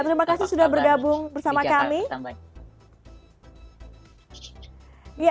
terima kasih sudah bergabung bersama kami